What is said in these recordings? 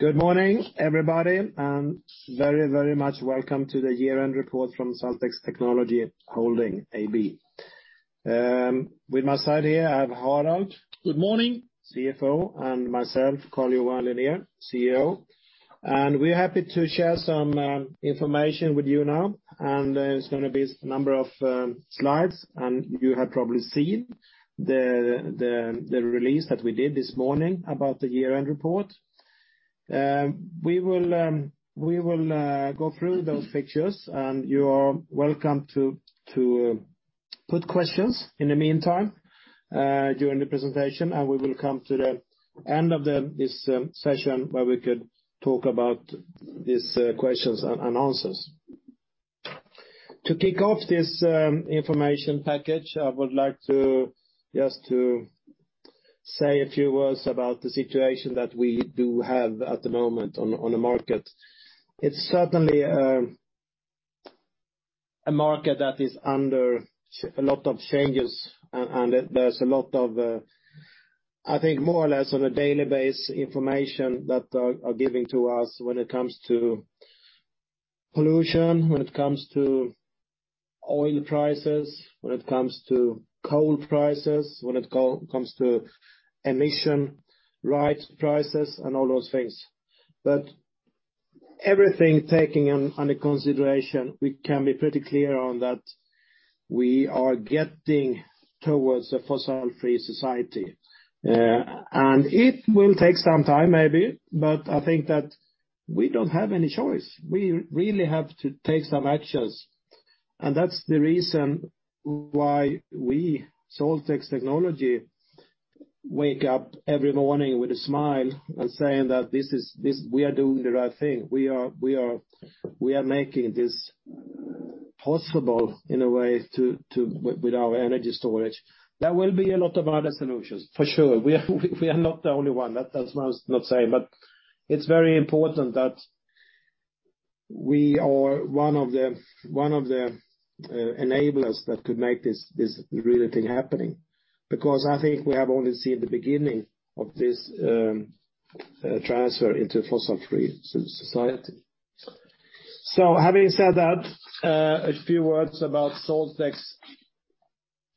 Good morning, everybody, and very, very much welcome to the year-end report from SaltX Technology Holding AB. With me here, I have Harald. Good morning. CFO, and myself, Carl-Johan Linér, CEO. We're happy to share some information with you now, and there's gonna be a number of slides, and you have probably seen the release that we did this morning about the year-end report. We will go through those pictures, and you are welcome to put questions in the meantime during the presentation, and we will come to the end of this session where we could talk about these questions and answers. To kick off this information package, I would like to just say a few words about the situation that we do have at the moment on the market. It's certainly a market that is under a lot of changes and there's a lot of, I think more or less on a daily basis information that are giving to us when it comes to pollution, when it comes to oil prices, when it comes to coal prices, when it comes to emission rights prices, and all those things. Everything taking under consideration, we can be pretty clear on that we are getting towards a fossil-free society. It will take some time maybe, but I think that we don't have any choice. We really have to take some actions. That's the reason why we, SaltX Technology, wake up every morning with a smile and saying that this is this we are doing the right thing. We are making this possible in a way to to. With our energy storage. There will be a lot of other solutions for sure. We are not the only one that does not say. It's very important that we are one of the enablers that could make this really thing happening. Because I think we have only seen the beginning of this transfer into fossil-free society. Having said that, a few words about SaltX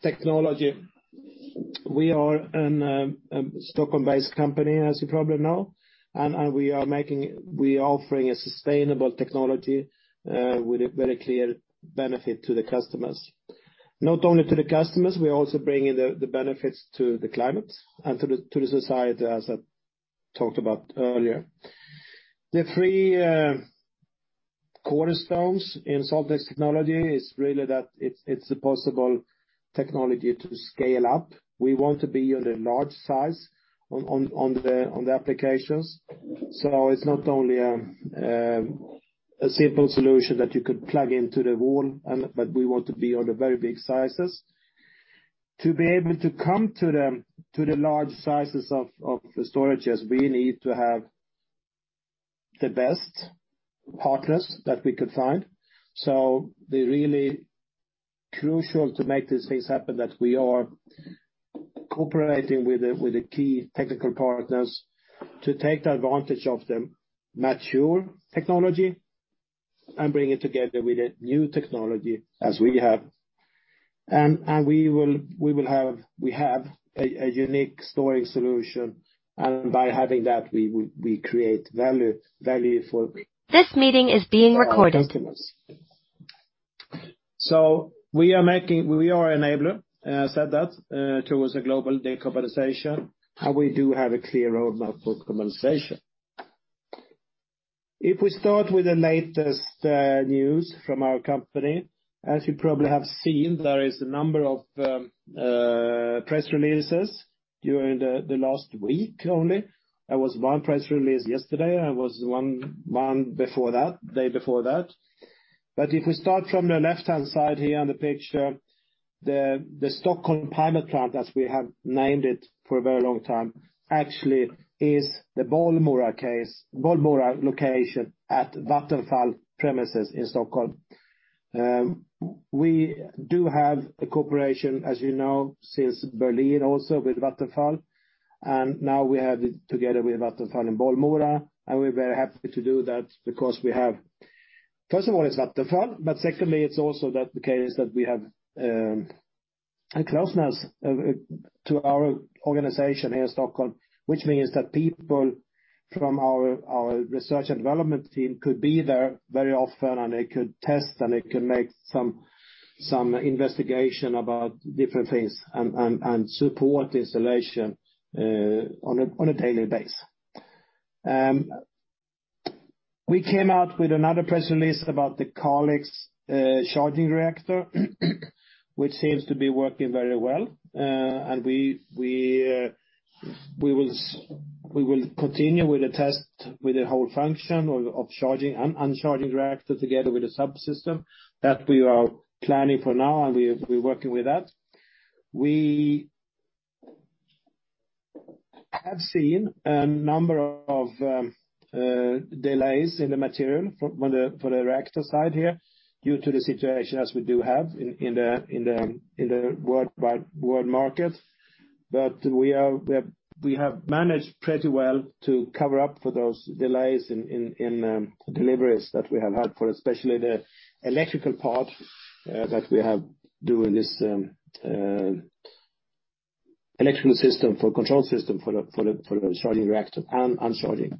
Technology. We are a Stockholm-based company, as you probably know, and we are offering a sustainable technology with a very clear benefit to the customers. Not only to the customers, we're also bringing the benefits to the climate and to the society, as I talked about earlier. The three cornerstones in SaltX Technology is really that it's a possible technology to scale up. We want to be on the large size on the applications. It's not only a simple solution that you could plug into the wall but we want to be on the very big sizes. To be able to come to the large sizes of the storages, we need to have the best partners that we could find. They're really crucial to make these things happen, that we are cooperating with the key technical partners to take the advantage of the mature technology and bring it together with the new technology as we have. We will have... We have a unique storage solution, and by having that, we create value for- We are an enabler, as I said, towards a global decarbonization, and we do have a clear roadmap for decarbonization. If we start with the latest news from our company, as you probably have seen, there is a number of press releases during the last week only. There was one press release yesterday, and one before that, day before that. If we start from the left-hand side here on the picture, the Stockholm pilot plant, as we have named it for a very long time, actually is the Bollmora case, Bollmora location at Vattenfall premises in Stockholm. We do have a cooperation, as you know, since Berlin also with Vattenfall, and now we have it together with Vattenfall in Bollmora, and we're very happy to do that because we have... First of all, it's Vattenfall, but secondly, it's also the case that we have a closeness to our organization here in Stockholm, which means that people from our research and development team could be there very often, and they could test, and they can make some investigation about different things and support installation on a daily basis. We came out with another press release about the Calix charging reactor which seems to be working very well. We will continue with the test with the whole function of charging and charging reactor together with the subsystem that we are planning for now, and we're working with that. I have seen a number of delays in the material for the reactor side here due to the situation as we do have in the world market. We have managed pretty well to cover up for those delays in deliveries that we have had for especially the electrical part that we are doing this electrical system for control system for the charging reactor and discharging.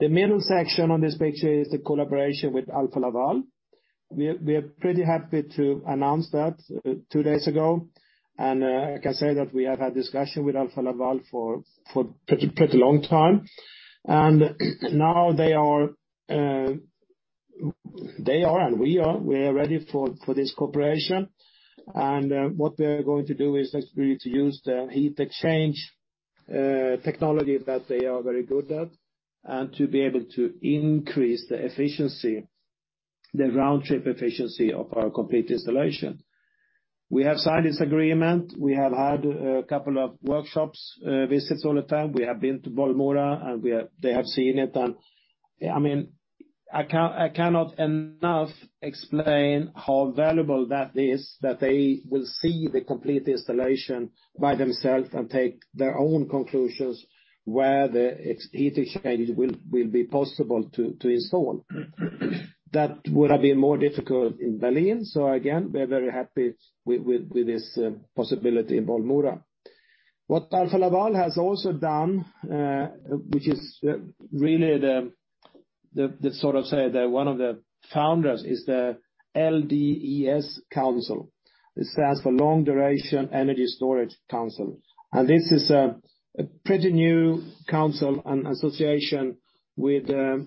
The middle section on this picture is the collaboration with Alfa Laval. We're pretty happy to announce that two days ago. Like I said, that we have had discussion with Alfa Laval for pretty long time. Now they are and we are ready for this cooperation. What we're going to do is actually to use the heat exchange technology that they are very good at, and to be able to increase the efficiency, the round-trip efficiency of our complete installation. We have signed this agreement. We have had a couple of workshops, visits all the time. We have been to Bollmora, and they have seen it. I mean, I cannot enough explain how valuable that is that they will see the complete installation by themselves and take their own conclusions where the heat exchange will be possible to install. That would have been more difficult in Berlin. We are very happy with this possibility in Bollmora. What Alfa Laval has also done, which is really the sort of, say, one of the founders is the LDES Council. It stands for Long Duration Energy Storage Council. This is a pretty new council and association with the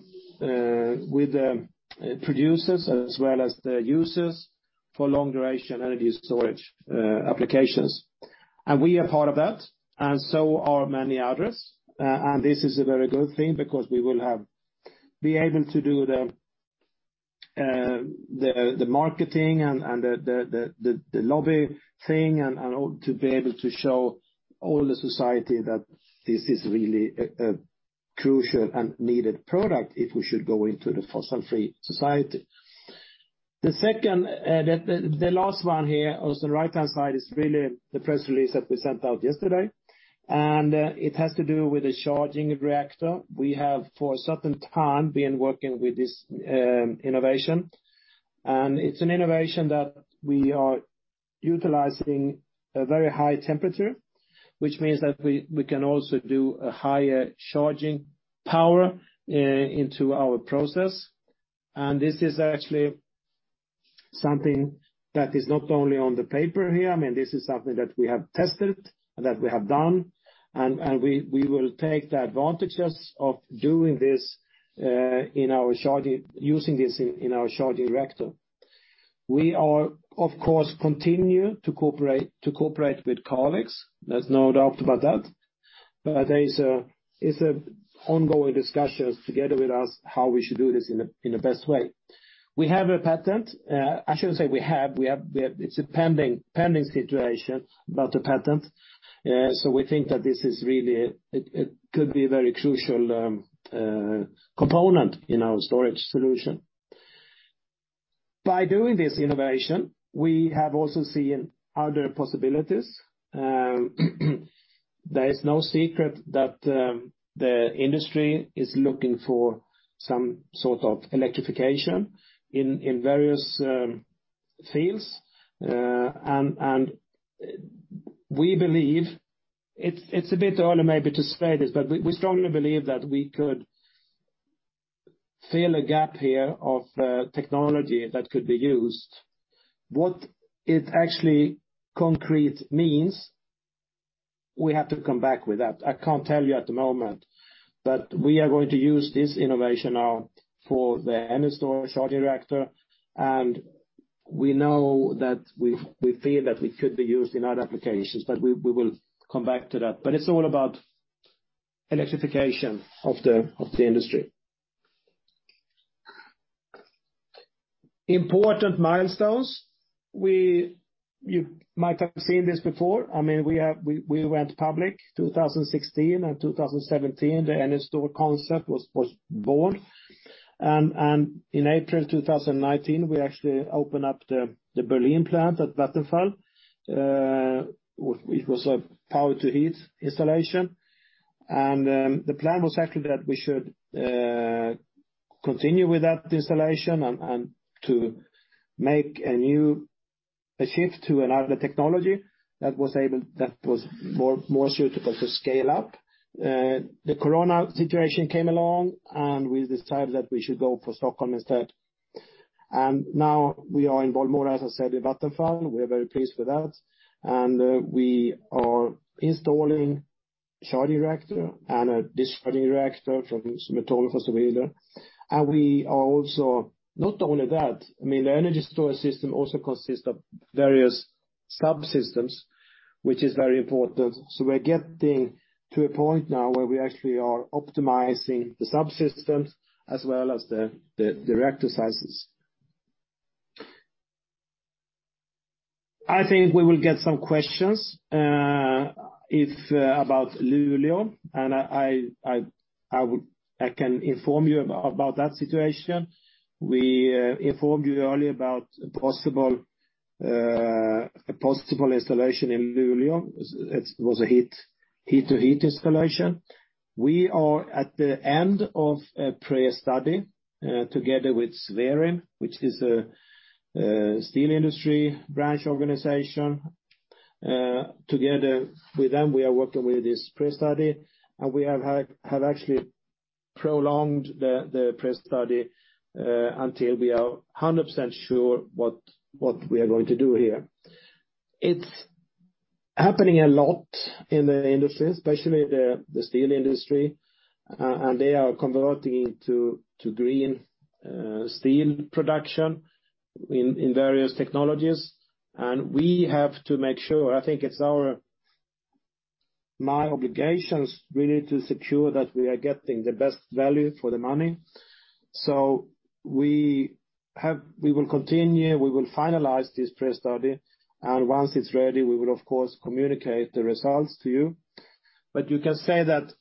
producers as well as the users for long duration energy storage applications. We are part of that, and so are many others. This is a very good thing because we will be able to do the marketing and the lobby thing and all to be able to show all the society that this is really a crucial and needed product if we should go into the fossil-free society. The second, the last one here on the right-hand side is really the press release that we sent out yesterday, and it has to do with the charging reactor. We have for a certain time been working with this innovation, and it's an innovation that we are utilizing a very high temperature, which means that we can also do a higher charging power into our process. This is actually something that is not only on the paper here, I mean, this is something that we have tested, that we have done, and we will take the advantages of doing this, using this in our charging reactor. We are, of course, continue to cooperate with Calix. There's no doubt about that. There is ongoing discussions together with us how we should do this in the best way. We have a patent. I shouldn't say we have. It's a pending situation about the patent. So we think that this could be a very crucial component in our storage solution. By doing this innovation, we have also seen other possibilities. There is no secret that the industry is looking for some sort of electrification in various fields. We believe it's a bit early maybe to say this, but we strongly believe that we could fill a gap here of technology that could be used. What it actually concretely means, we have to come back with that. I can't tell you at the moment, but we are going to use this innovation now for the EnerStore charging reactor, and we know that we feel that we could be used in other applications, but we will come back to that. It's all about electrification of the industry. Important milestones. You might have seen this before. I mean, we went public 2016 and 2017. The EnerStore concept was born. In April 2019, we actually opened up the Berlin plant at Vattenfall. Which was a power-to-heat installation. The plan was actually that we should continue with that installation and to make a new shift to another technology that was more suitable to scale up. The corona situation came along, and we decided that we should go for Stockholm instead. Now we are in Bollmora, as I said, with Vattenfall. We are very pleased with that. We are installing charging reactor and a discharging reactor from Metala Forsveder. We are also not only that, I mean, the energy storage system also consists of various subsystems, which is very important. We're getting to a point now where we actually are optimizing the subsystems as well as the reactor sizes. I think we will get some questions about Luleå, and I can inform you about that situation. We informed you earlier about a possible installation in Luleå. It was a heat-to-heat installation. We are at the end of a pre-study together with Swerim, which is a steel industry branch organization. Together with them, we are working with this pre-study, and we have actually prolonged the pre-study until we are 100% sure what we are going to do here. It's happening a lot in the industry, especially the steel industry, and they are converting to green steel production in various technologies, and we have to make sure. I think it's my obligations really to secure that we are getting the best value for the money. We will continue, we will finalize this pre-study, and once it's ready, we will of course communicate the results to you. You can say that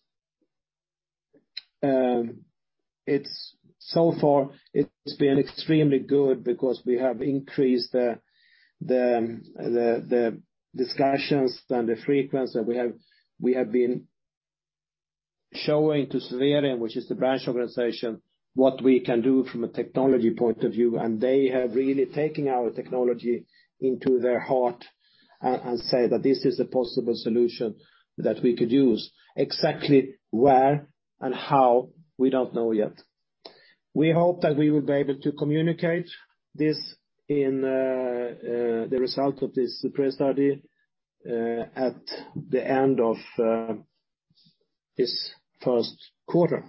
so far it's been extremely good because we have increased the discussions and the frequency. We have been showing to Swerim, which is the branch organization, what we can do from a technology point of view, and they have really taken our technology into their heart and say that this is a possible solution that we could use. Exactly where and how, we don't know yet. We hope that we will be able to communicate this in the result of this pre-study at the end of this first quarter.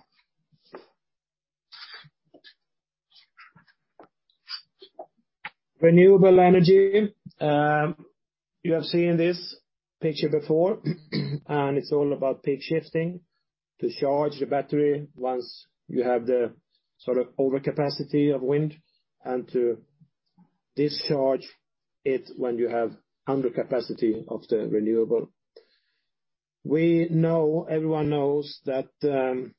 Renewable energy. You have seen this picture before, and it's all about peak shifting. To charge the battery once you have the sort of overcapacity of wind, and to discharge it when you have undercapacity of the renewable. We know, everyone knows that,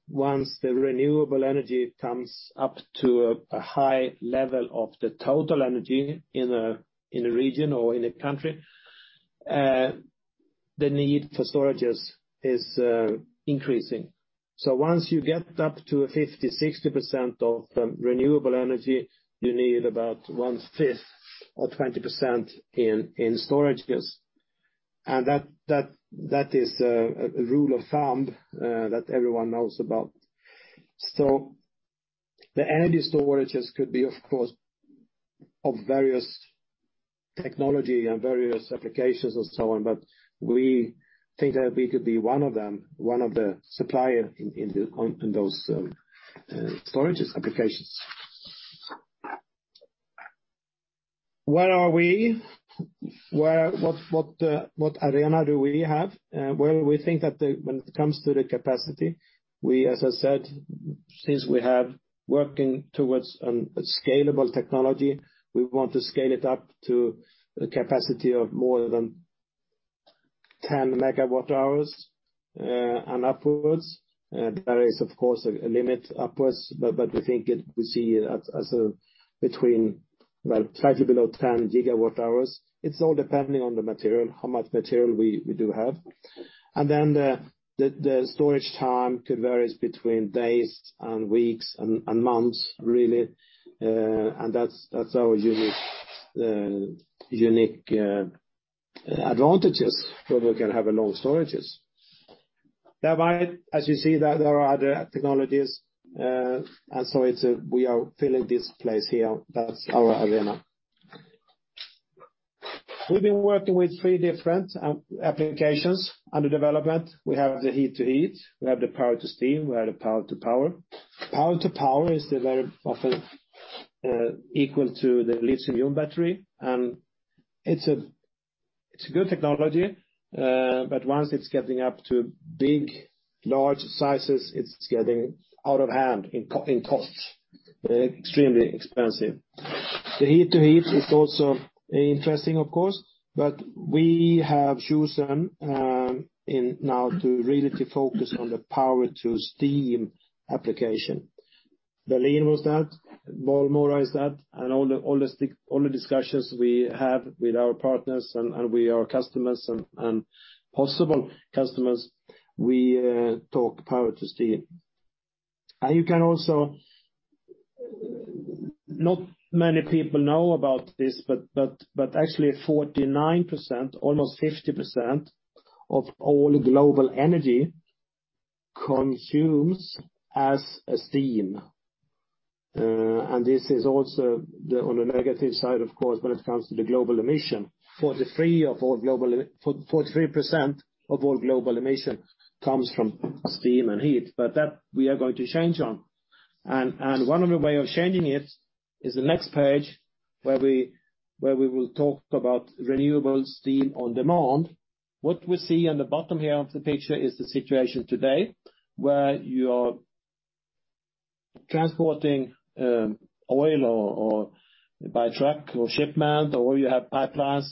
once the renewable energy comes up to a high level of the total energy in a region or in a country, the need for storages is increasing. Once you get up to a 50%, 60% of renewable energy, you need about one-fifth or 20% in storages. That is the rule of thumb that everyone knows about. The energy storages could be, of course, of various technology and various applications and so on, but we think that we could be one of them, one of the supplier in the on those storages applications. Where are we? What arena do we have? Well, we think that when it comes to the capacity, we, as I said, since we have working towards a scalable technology, we want to scale it up to a capacity of more than 10 MWh and upwards. There is of course a limit upwards, but we think it, we see it as between, well, slightly below 10 GWh. It's all depending on the material, how much material we do have. Then the storage time can vary between days and weeks and months, really. That's our unique advantages, where we can have long storages. Thereby, as you see that there are other technologies and so it's we are filling this place here. That's our arena. We've been working with three different applications under development. We have the heat-to-heat. We have the power-to-steam. We have the power-to-power. Power-to-power is very often equal to the lithium-ion battery, and it's a good technology, but once it's getting up to big, large sizes, it's getting out of hand in cost. Extremely expensive. The heat-to-heat is also interesting, of course, but we have chosen now to really focus on the power-to-steam application. Berlin was that, Bollmora is that, and all the discussions we have with our partners and with our customers and possible customers, we talk power-to-steam. You can also. Not many people know about this, but actually 49%, almost 50% of all global energy is consumed as steam. This is also, on the negative side, of course, when it comes to the global emission. 43% of all global emission comes from steam and heat, but that we are going to change on. One of the way of changing it is the next page where we will talk about renewable steam on demand. What we see on the bottom here of the picture is the situation today where you're transporting oil or by truck or shipment, or you have pipelines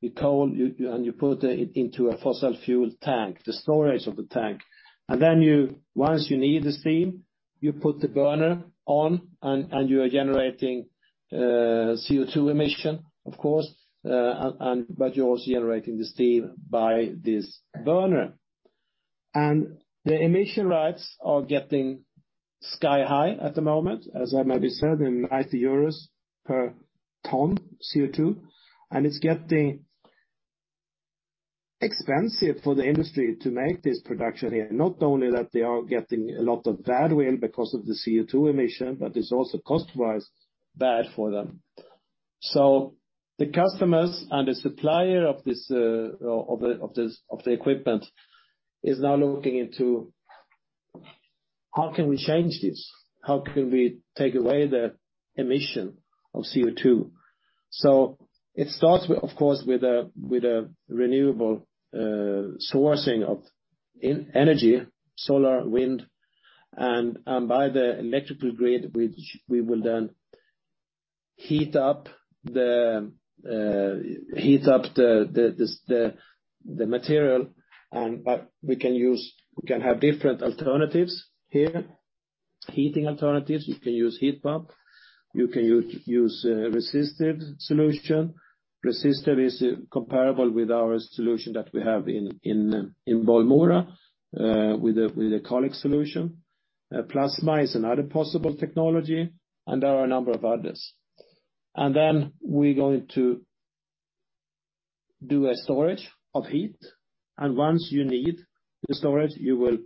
with coal, and you put it into a fossil fuel tank, the storage of the tank. Then, once you need the steam, you put the burner on and you are generating CO2 emission, of course, and but you're also generating the steam by this burner. The emission rights are getting sky high at the moment, as I maybe said, in 90 euros per ton CO2, and it's getting expensive for the industry to make this production here. Not only that they are getting a lot of bad wind because of the CO2 emission, but it's also cost-wise bad for them. The customers and the supplier of this of this of the equipment is now looking into how can we change this. How can we take away the emission of CO2? It starts with, of course, with a with a renewable sourcing of energy, solar, wind, and by the electrical grid, which we will then heat up the heat up the the the the the material, but we can use, we can have different alternatives here, heating alternatives. You can use heat pump. You can use resistive solution. Resistive is comparable with our solution that we have in Bollmora with a Calix solution. Plasma is another possible technology, and there are a number of others. Then we're going to do a storage of heat, and once you need the storage, you will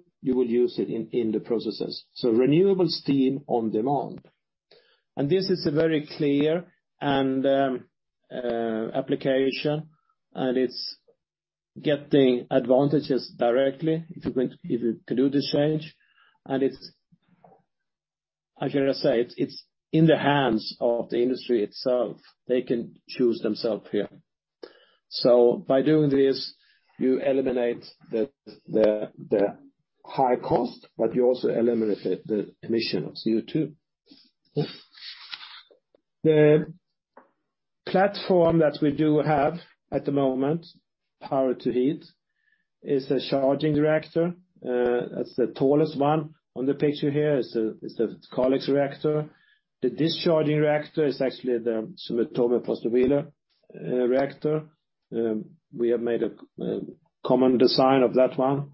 use it in the processes. Renewable steam on demand. This is a very clear and application, and it's getting advantages directly if you're going, if you could do this change. It's, how shall I say it? It's in the hands of the industry itself. They can choose themselves here. By doing this, you eliminate the high cost, but you also eliminate the emission of CO2. The platform that we do have at the moment, power to heat, is a charging reactor. That's the tallest one. On the picture here is the Calix reactor. The discharging reactor is actually the Sumitomo SHI FW reactor. We have made a common design of that one.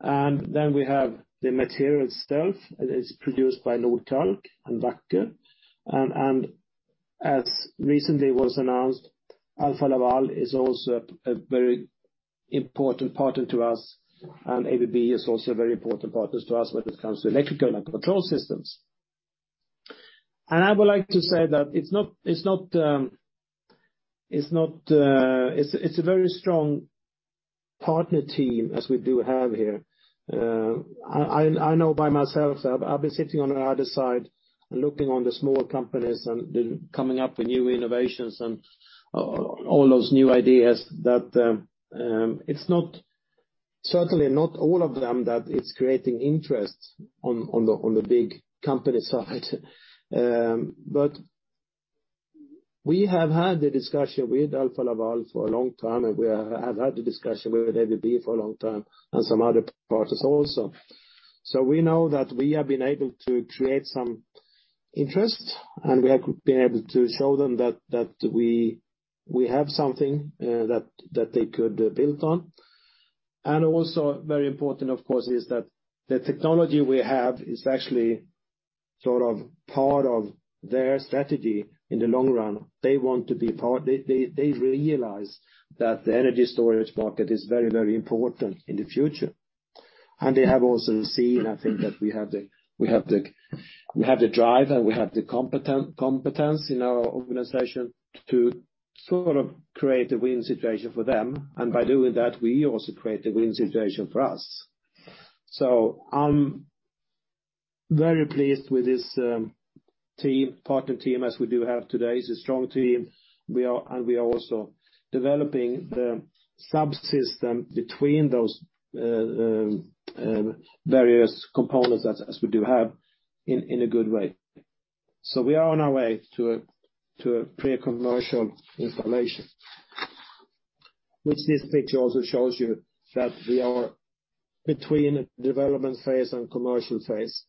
Then we have the material itself. It is produced by Nordkalk and WACKER. As recently was announced, Alfa Laval is also a very important partner to us, and ABB is also a very important partner to us when it comes to electrical and control systems. I would like to say that it's a very strong partner team as we do have here. I know by myself, I've been sitting on the other side looking at the smaller companies and them coming up with new innovations and all those new ideas that certainly not all of them that it's creating interest on the big company side. We have had the discussion with Alfa Laval for a long time, and we have had the discussion with ABB for a long time and some other partners also. We know that we have been able to create some interest, and we have been able to show them that we have something that they could build on. Also very important, of course, is that the technology we have is actually sort of part of their strategy in the long run. They want to be part They realize that the energy storage market is very, very important in the future. They have also seen, I think that we have the drive and we have the competence in our organization to sort of create a win situation for them. By doing that, we also create a win situation for us. I'm very pleased with this partner team as we do have today. It's a strong team. We are also developing the subsystem between those various components as we do have in a good way. We are on our way to a pre-commercial installation. Which this picture also shows you that we are between development phase and commercial phase.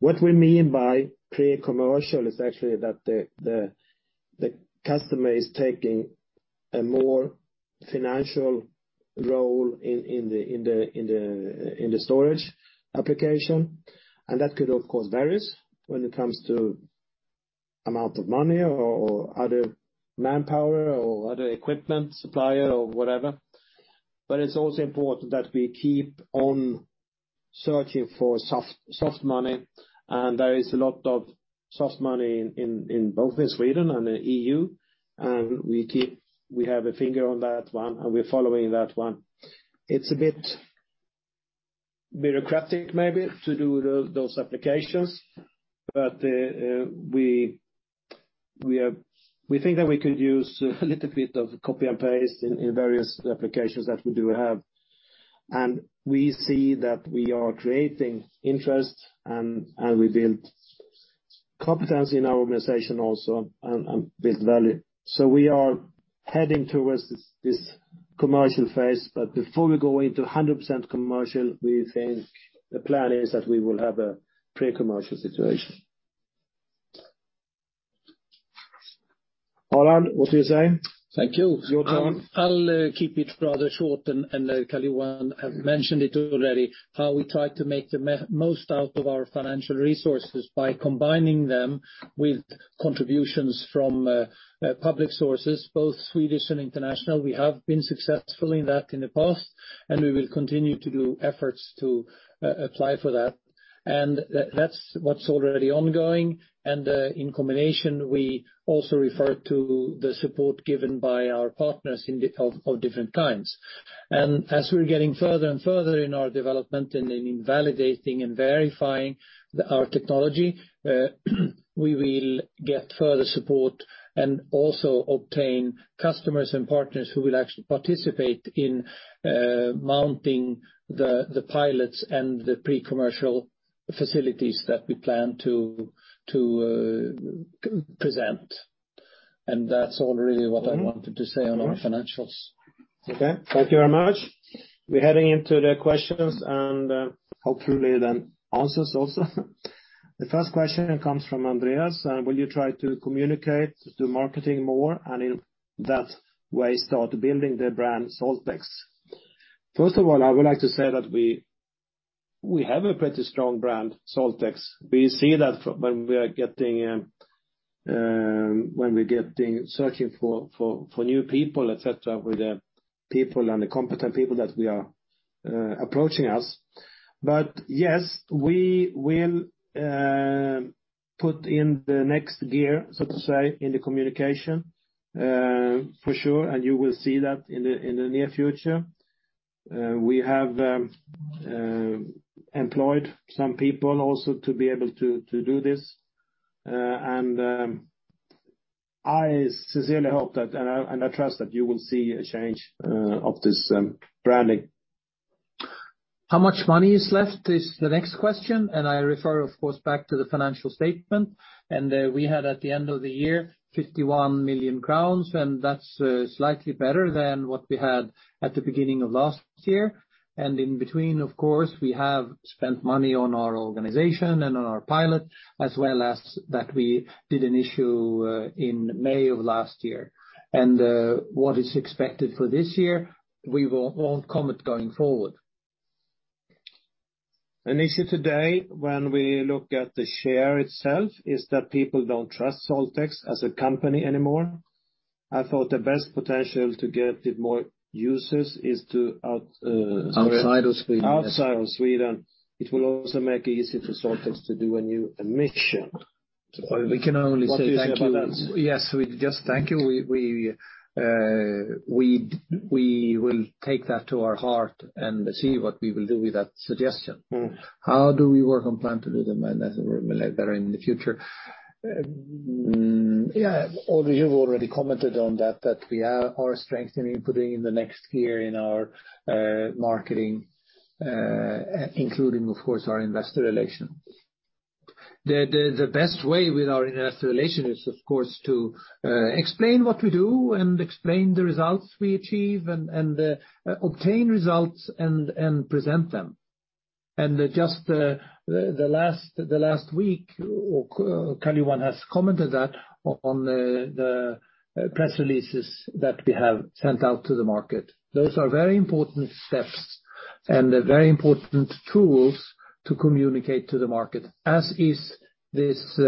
What we mean by pre-commercial is actually that the customer is taking a more financial role in the storage application. That could of course vary when it comes to amount of money or other manpower or other equipment supplier or whatever. It's also important that we keep on searching for soft money. There is a lot of soft money both in Sweden and the EU. We have a finger on that one, and we're following that one. It's a bit bureaucratic maybe to do those applications, but we think that we could use a little bit of copy and paste in various applications that we do have. We see that we are creating interest and we build competence in our organization also and with value. We are heading towards this commercial phase. Before we go into 100% commercial, we think the plan is that we will have a pre-commercial situation. Harald, what do you say? Thank you. Your turn. I'll keep it rather short. Carl-Johan have mentioned it already, how we try to make the most out of our financial resources by combining them with contributions from public sources, both Swedish and international. We have been successful in that in the past, and we will continue to do efforts to apply for that. That's what's already ongoing. In combination, we also refer to the support given by our partners in different kinds. As we're getting further and further in our development and in validating and verifying our technology, we will get further support and also obtain customers and partners who will actually participate in mounting the pilots and the pre-commercial facilities that we plan to present. That's all really what I wanted to say on our financials. Okay. Thank you very much. We're heading into the questions and hopefully answers also. The first question comes from Andreas. Will you try to communicate, do marketing more, and in that way, start building the brand SaltX? First of all, I would like to say that we have a pretty strong brand, SaltX. We see that when we are getting, when we get searching for new people, et cetera, with the people and the competent people that are approaching us. Yes, we will put in the next gear, so to say, in the communication for sure, and you will see that in the near future. We have employed some people also to be able to do this. I sincerely hope that, and I trust that you will see a change of this branding. How much money is left is the next question, and I refer, of course, back to the financial statement. We had at the end of the year GBP 51 million, and that's slightly better than what we had at the beginning of last year. In between, of course, we have spent money on our organization and on our pilot, as well as that we did an issue in May of last year. What is expected for this year, we won't comment going forward. An issue today when we look at the share itself is that people don't trust SaltX as a company anymore. I thought the best potential to get it more users is to out- Outside of Sweden. Outside of Sweden. It will also make it easy for SaltX to do a new admission. We can only say thank you. What do you say about that? Yes, we just thank you. We will take that to our heart and see what we will do with that suggestion. Mm-hmm. How do we work on plan to do the? We work on a plan to do that in the future. Yeah, we already commented on that- that we are strengthening including in the next year, our marketing including of course, our investor relations. The best way with our investor relations is of course to explain what we do, and explain results we achieve, and obtain results and present them. Just the last week, Carl-Johan has commented that on the press releases we that we have sent out to the market. Those are very important steps and very important tools for communicating with the market, as is this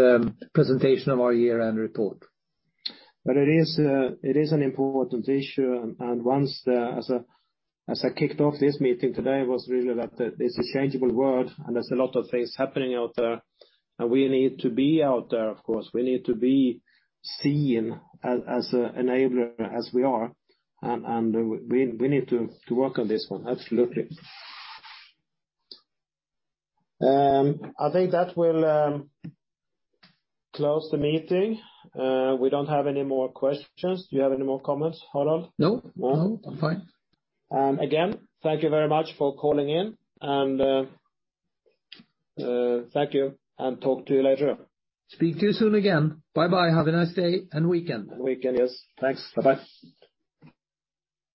presentation of our year-end report. It is an important issue. And once as I kicked off this meeting, it is a changing world, and there are a lot of things happening out there. We need to be out there. We need to be seen as an enabler, as we are, and we need to work on this one. I think that will close the meeting. We don't have any more questions. Do you have any additional comments, Harald? No, I'm fine. And again, thank you very much for joining. Thank you, and we will talk again soon. Bye-bye. Have a nice day and weekend. Thank you so much.